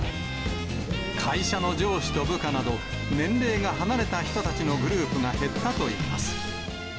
会社の上司と部下など、年齢が離れた人たちのグループが減ったといいます。